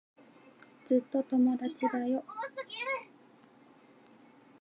ずっと友達だよ。